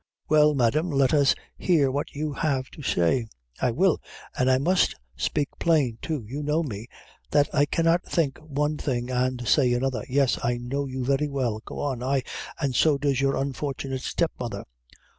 "Well, madame, let us hear what you have to say." "I will an' I must spake plain, too. You know me; that I cannot think one thing and say another." "Yes, I know you very well go on ay, and so does your unfortunate step mother."